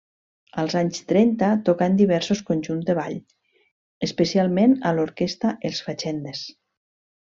Als anys trenta tocà en diversos conjunts de ball, especialment a l'orquestra Els Fatxendes.